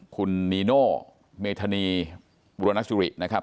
คุณนีโน่เมธานีบุรณสุรินะครับ